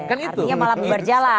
artinya malah berjalan